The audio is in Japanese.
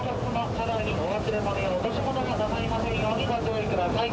車内にお忘れ物や落とし物をなさいませんようにご注意ください。